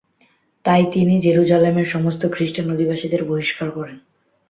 তাই তিনি জেরুসালেমের সমস্ত খ্রিস্টান অধিবাসীদের বহিষ্কার করেন।